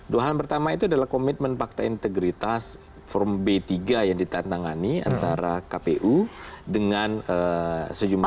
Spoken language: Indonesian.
dua hal pertama itu adalah komitmen pakta integritas forum b tiga yang ditantangani antara kpu dengan sejumlah